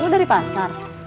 kamu dari pasar